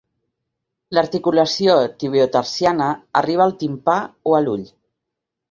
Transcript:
L'articulació tibiotarsiana arriba al timpà o a l'ull.